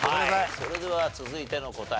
それでは続いての答え